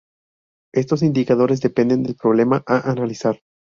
Estos indicadores dependen del problema a analizar.